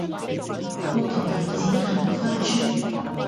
牧童遙指杏花村